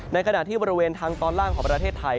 ในขณะที่บริเวณทางตอนล่างของประเทศไทย